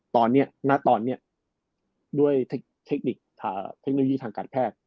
ตอนเนี้ยหน้าตอนเนี้ยด้วยเทคนิยีทางการแพทย์